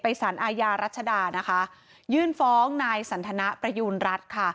สารอาญารัชดานะคะยื่นฟ้องนายสันทนาประยูณรัฐค่ะ